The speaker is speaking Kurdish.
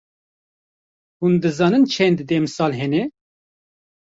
Hûn dizanin çend demsal hene?